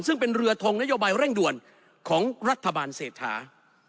ซึ่งเป็นเรือทงนโยบายเร่งด่วนของรัฐบาลเศรษฐา